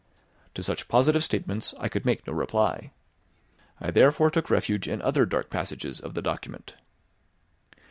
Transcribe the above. To such positive statements I could make no reply. I therefore took refuge in other dark passages of the document.